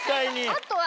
あとは。